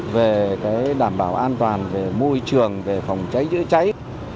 về đảm bảo an toàn về môi trường về phòng cháy chữa cháy